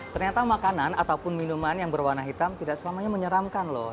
ternyata makanan ataupun minuman yang berwarna hitam tidak selamanya menyeramkan loh